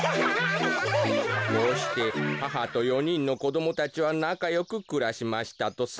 「こうしてははと４にんのこどもたちはなかよくくらしましたとさ。